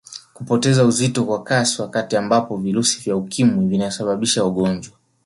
Kupoteza uzito kwa kasi wakati ambapo virusi vya Ukimwi vimeshasababisha ugonjwa